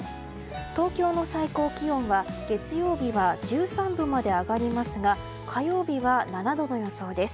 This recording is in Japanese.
東京の最高気温は月曜日は１３度まで上がりますが火曜日は７度の予想です。